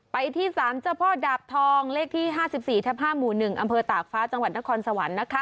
ไปที่๓เจ้าพ่อดาบทองเลขที่๕๔๕๑อำเภอตากฟ้าจังหวัดนครสวรรค์